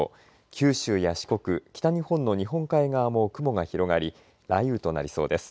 九州や四国北日本の日本海側も雲が広がり雷雨となりそうです。